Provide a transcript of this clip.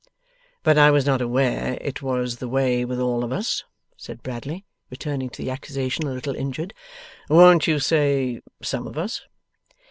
'But I was not aware it was the way with all of us,' said Bradley, returning to the accusation, a little injured. 'Won't you say, some of us?